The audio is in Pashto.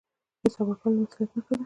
حساب ورکول د مسوولیت نښه ده